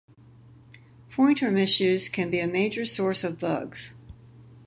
Pointer misuse can be a major source of bugs.